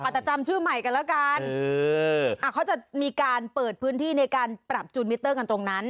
จะจำชื่อใหม่กันแล้วกันเขาจะมีการเปิดพื้นที่ในการปรับจูนมิเตอร์กันตรงนั้น